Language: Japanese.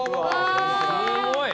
すごい。